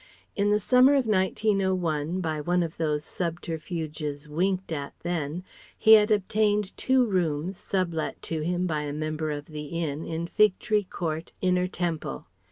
In the summer of 1901, by one of those subterfuges winked at then, he had obtained two rooms, sublet to him by a member of the Inn, in Fig Tree Court, Inner Temple.